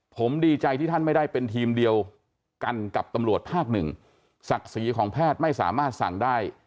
ผมดีใจที่ท่านไม่ได้เป็นทีมเดียวกันกับตำรวจภาคหนึ่งศักดิ์ศรีของแพทย์ไม่สามารถสั่งได้